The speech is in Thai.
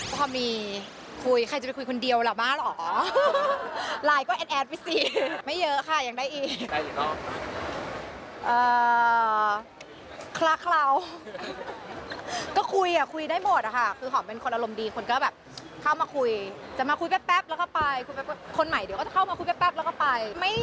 ก็พูดแปลกแล้วไปไม่กลัวเสียเวลา